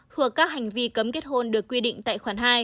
thuộc các hành vi cấm kết hôn được quy định tại khoản hai